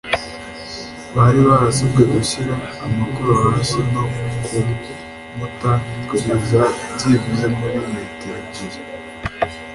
Bari barasabwe gushyira amakoro hasi no ku nkuta kugeza byibuze muri metero ebyili